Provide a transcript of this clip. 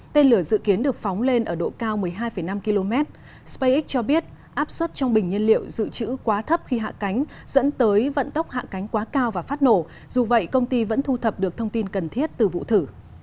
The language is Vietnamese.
tên lửa dự kiến được phóng lên ở độ cao một mươi hai năm km spacex cho biết áp suất trong bình nhiên liệu dự trữ quá thấp khi hạ cánh dẫn tới vận tốc hạ cánh quá cao và phát nổ dù vậy công ty vẫn thu thập được thông tin cần thiết từ vụ thử